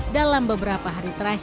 dalam beberapa hari terakhir